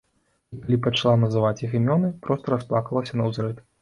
І калі пачала называць іх імёны, проста расплакалася наўзрыд.